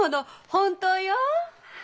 本当よ！